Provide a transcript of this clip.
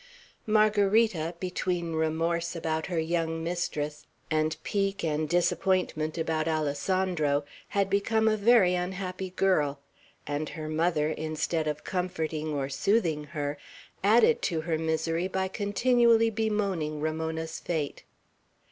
Margarita, between remorse about her young mistress and pique and disappointment about Alessandro, had become a very unhappy girl; and her mother, instead of comforting or soothing her, added to her misery by continually bemoaning Ramona's fate.